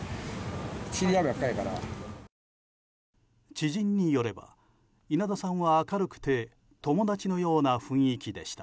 知人によれば稲田さんは明るくて友達のような雰囲気でした。